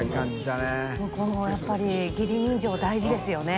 このやっぱり義理人情大事ですよね。